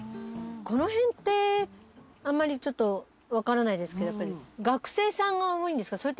この辺ってあんまり分からないですけど学生さんが多いんですか？